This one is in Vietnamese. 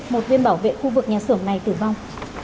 một viên bảo vệ khu vực nhà xưởng này tử vong